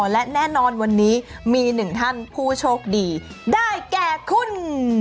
และแน่นอนวันนี้มีหนึ่งท่านผู้โชคดีได้แก่คุณ